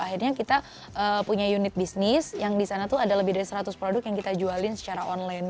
akhirnya kita punya unit bisnis yang di sana tuh ada lebih dari seratus produk yang kita jualin secara online